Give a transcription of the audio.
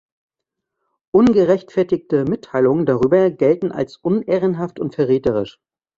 Ungerechtfertigte Mitteilungen darüber gelten als unehrenhaft und verräterisch.